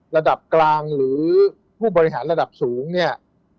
ระดับกลางหรือผู้บริหารระดับสูงเนี่ย